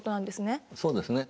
そうですね。